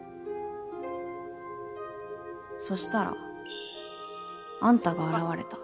そしたらあんたが現れた。